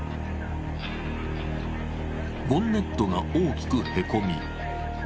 ボンネットが大きくへこみ